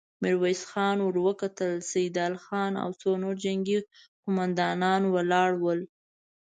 ميرويس خان ور وکتل، سيدال خان او څو نور جنګي قوماندان ولاړ ول.